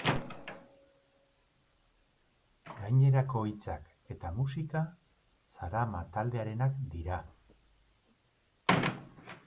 Gainerako hitzak eta musika Zarama taldearenak dira.